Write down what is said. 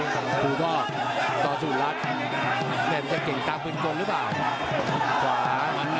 ดูก็ก็สูญรัฐแม่นจะเก่งกล้ามเป็นคนหรือเปล่า